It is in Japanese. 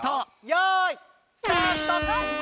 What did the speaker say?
よいスタート！